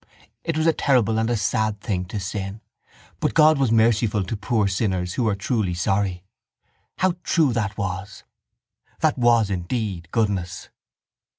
It was a terrible and a sad thing to sin. But God was merciful to poor sinners who were truly sorry. How true that was! That was indeed goodness.